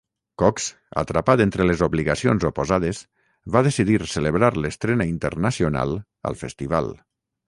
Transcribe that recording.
Cox, atrapat entre les obligacions oposades, va decidir celebrar l'estrena internacional al festival.